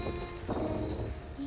はい。